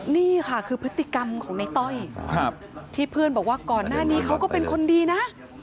นี่ค่ะคือพฤติกรรมของในต้อยที่เพื่อนบอกว่าก่อนหน้านี้เขาก็เป็นคนดีนะ